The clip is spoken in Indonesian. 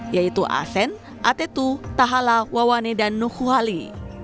yaitu asen atetu tahala wawane dan nuhuali